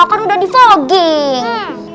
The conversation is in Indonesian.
kan udah di fagging